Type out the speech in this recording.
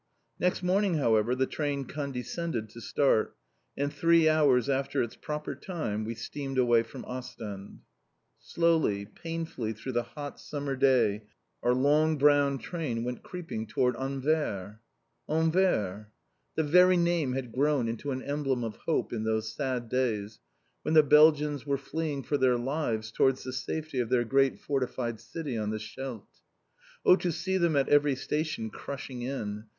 Next morning, however, the train condescended to start, and three hours after its proper time we steamed away from Ostend. Slowly, painfully, through the hot summer day, our long, brown train went creeping towards Anvers! Anvers! The very name had grown into an emblem of hope in those sad days, when the Belgians were fleeing for their lives towards the safety of their great fortified city on the Scheldt. Oh, to see them at every station, crushing in!